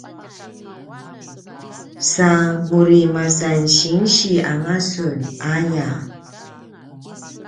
sa muri masan sinsi anga sun aya